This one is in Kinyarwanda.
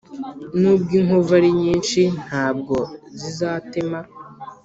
N’ubwo inkovu ari nyinshi Ntabwo zizatema!